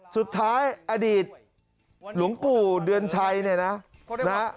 อดีตหลวงปู่เดือนชัยเนี่ยนะ